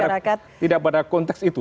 iya saya kira tidak pada konteks itu